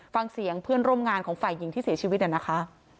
ฟังเสียงเพื่อนร่วมงานของฝ่ายหญิงที่เสียชีวิตเนี่ยนะคะ